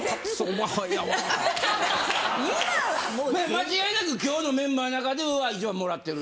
間違いなく今日のメンバーの中では一番もらってる？